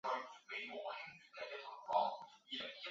关卡中配置的物品载体。